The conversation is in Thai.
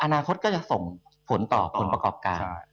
อนาคตก็จะส่งผลต่อผลประกอบการ